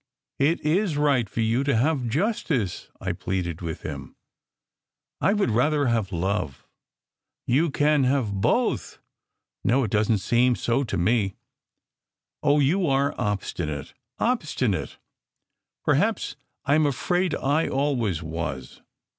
" "It is right for ygu to have justice!" I pleaded with him. "I would rather have love." "You can have both!" "No. It doesn t seem so to me." "Oh, you are obstinate obstinate!" "Perhaps! I m afraid I always was.